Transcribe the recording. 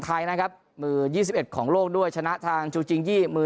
ไทยนะครับมือ๒๑ของโลกด้วยชนะทางจูจิงยี่มือ